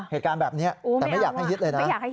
เหตุการณ์แบบนี้แต่ไม่อยากให้ฮิตเลยนะ